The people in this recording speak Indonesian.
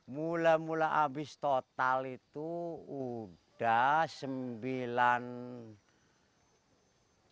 mula mula habis total itu udah sembilan puluh